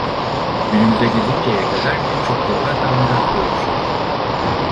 Günümüze gelinceye kadar birçok defa tamirat görmüştür.